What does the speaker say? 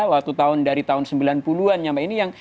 waktu tahun dari tahun sembilan puluh an sampai ini yang